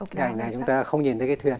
bức ảnh này chúng ta không nhìn thấy cái thuyền